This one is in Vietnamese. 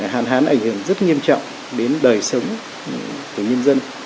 hạn hán ảnh hưởng rất nghiêm trọng đến đời sống của nhân dân